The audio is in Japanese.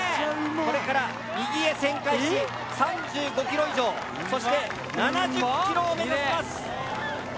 これから右へ旋回し３５ｋｍ以上そして７０ｋｍを目指します！